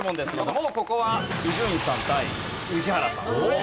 もうここは伊集院さん対宇治原さん。